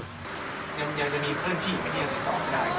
ยังจะมีเพื่อนพี่อีกไหมที่จะตอบได้ครับ